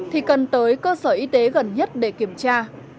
thì cần tới cơ sở y tế gần nhất để kiểm tra